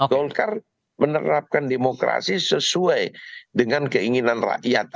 golkar menerapkan demokrasi sesuai dengan keinginan rakyat